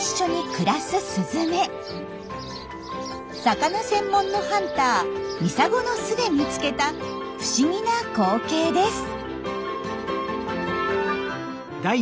魚専門のハンター・ミサゴの巣で見つけた不思議な光景です。